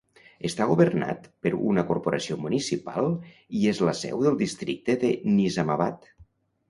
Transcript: Està governat per una corporació municipal i és la seu del districte de Nizamabad.